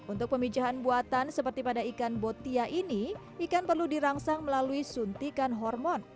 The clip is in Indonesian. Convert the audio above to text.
untuk pemijahan buatan seperti pada ikan botia ini ikan perlu dirangsang melalui suntikan hormon